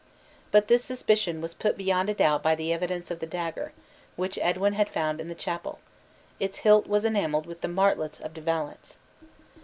But this suspicion was put beyond a doubt by the evidence of the dagger, which Edwin had found in the chapel; its hilt was enameled with the martlets of De Valence.